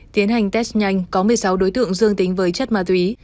tiến hành test nhanh có một mươi sáu đối tượng dương tính với chất ma túy